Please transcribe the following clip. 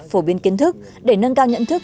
phổ biến kiến thức để nâng cao nhận thức